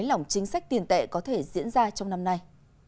lỏng chính sách tiền tệ có thể diễn ra trong năm nay